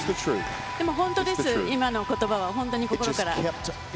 でも本当です、今のことばは、本当に心から。